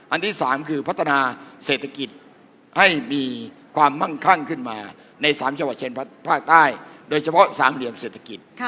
ที่๓คือพัฒนาเศรษฐกิจให้มีความมั่งคั่งขึ้นมาใน๓จังหวัดเช่นภาคใต้โดยเฉพาะสามเหลี่ยมเศรษฐกิจ